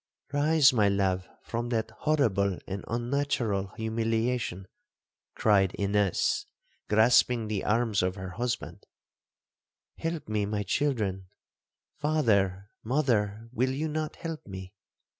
'—'Rise, my love, from that horrible and unnatural humiliation,' cried Ines, grasping the arms of her husband; 'help me, my children,—father,—mother, will you not help me?'